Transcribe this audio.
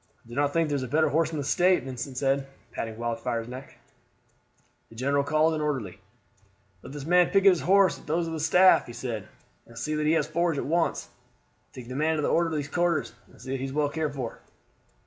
"I do not think there is a better horse in the State," Vincent said, patting Wildfire's neck. The general called an orderly. "Let this man picket his horse with those of the staff," he said, "and see that it has forage at once. Take the man to the orderly's quarters, and see that he is well cared for."